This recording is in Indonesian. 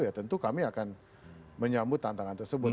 ya tentu kami akan menyambut tantangan tersebut